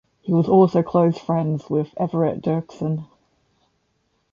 He was also close friends with Everett Dirksen.